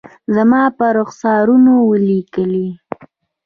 زما پر رخسارونو ولیکلي